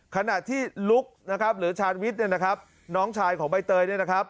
ขณะที่ลุกหรือชาญวิทย์น้องชายของใบเตย